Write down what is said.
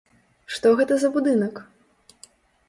Што гэта за будынак?